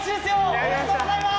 おめでとうございます！